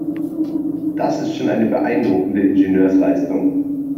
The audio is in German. Das ist schon eine beeindruckende Ingenieursleistung.